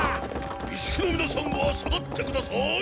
石工のみなさんは下がってください。